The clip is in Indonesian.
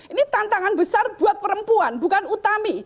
ini tantangan besar buat perempuan bukan utami